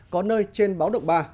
có nơi trên báo động ba